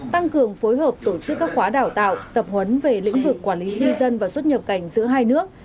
tăng cường phối hợp tổ chức các khóa đào tạo tập huấn về lĩnh vực quản lý di dân và xuất nhập cảnh giữa hai nước